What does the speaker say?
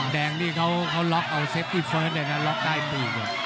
แดงนี่เขาหล่อเอาเซฟนี่เฟิรดเลยนะหลอกใต้บึก